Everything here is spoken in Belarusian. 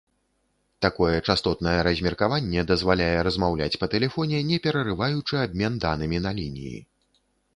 Такое частотнае размеркаванне дазваляе размаўляць па тэлефоне, не перарываючы абмен данымі на лініі.